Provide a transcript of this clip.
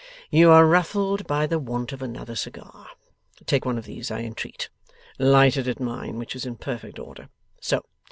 You are ruffled by the want of another cigar. Take one of these, I entreat. Light it at mine, which is in perfect order. So!